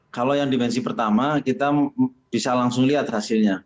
kalau yang dimensi pertama kita bisa langsung lihat hasilnya